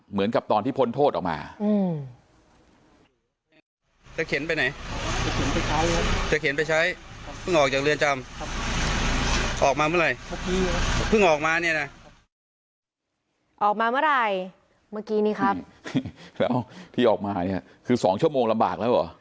เหมือนกับตอนที่พ้นโทษออกมา